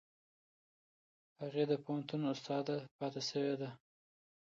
هغې د پوهنتون استاده پاتې شوې ده.